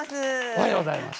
おはようございます。